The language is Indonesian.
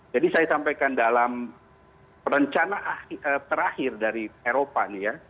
saya sampaikan dalam perencanaan terakhir dari eropa nih ya